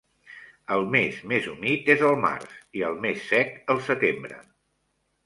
El mes més humit és el març i el més sec, el setembre.